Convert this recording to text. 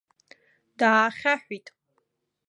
Даахьаҳәит.